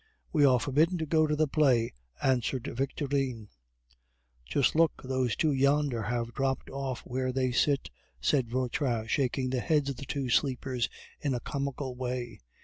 "We are forbidden to go to the play," answered Victorine. "Just look, those two yonder have dropped off where they sit," said Vautrin, shaking the heads of the two sleepers in a comical way.